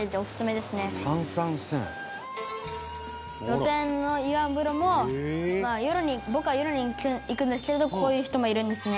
「炭酸泉」「露天の岩風呂も僕は夜に行くんですけどこういう人もいるんですね」